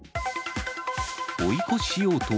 追い越ししようと？